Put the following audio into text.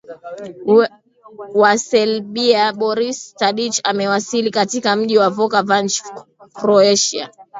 wa selbia boris stadich amewasili katika mji wa voka vanch croatia